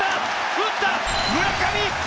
打った村上！